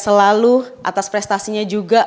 selalu atas prestasinya juga